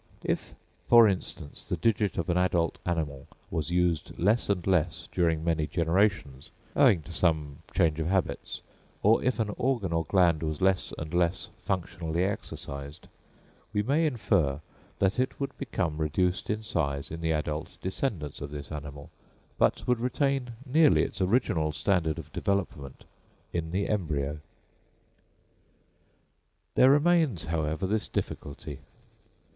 If, for instance, the digit of an adult animal was used less and less during many generations, owing to some change of habits, or if an organ or gland was less and less functionally exercised, we may infer that it would become reduced in size in the adult descendants of this animal, but would retain nearly its original standard of development in the embryo. There remains, however, this difficulty.